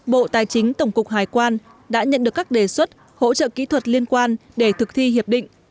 bộ tài chính tổng cục hải quan đã nhận được các đề xuất hỗ trợ kỹ thuật liên quan để thực thi hiệp định